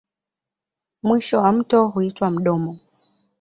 Mwisho wa mto huitwa mdomo.